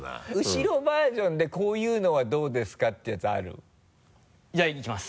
後ろバージョンで「こういうのはどうですか？」ってやつある？いきます。